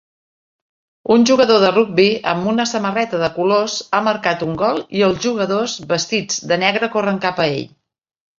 Un jugador de rugbi amb una samarreta de colors ha marcat un gol i els jugadors vestits de negre corren cap a ell